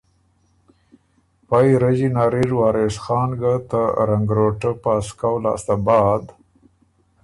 پئ رݫي نر اِر وارث خان ګه ته رنګروټه پاسکؤ لاسته بعد